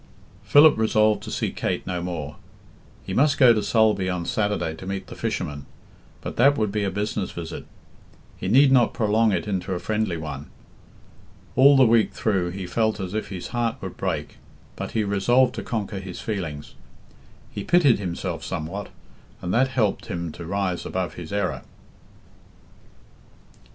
Philip resolved to see Kate no more. He must go to Sulby on Saturday to meet the fishermen, but that would be a business visit; he need not prolong it into a friendly one. All the week through he felt as if his heart would break; but he resolved to conquer his feelings. He pitied himself somewhat, and that helped him to rise above his error.